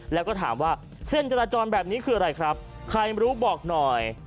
แล้วก็ถามว่าเส้นจราจรแบบนี้คืออะไรครับใครรู้บอกหน่อย